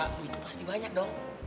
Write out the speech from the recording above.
aduh itu pasti banyak dong